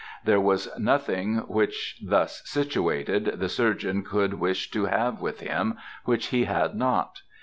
There was nothing which, thus situated, the surgeon could wish to have with him, which he had not.